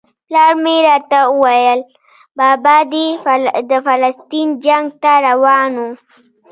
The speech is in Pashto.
پلار به مې راته ویل بابا دې د فلسطین جنګ ته روان و.